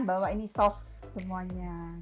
bahwa ini soft semuanya